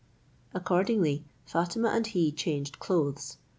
Accordingly Fatima and he changed clothes.